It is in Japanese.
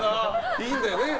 いいんだよな？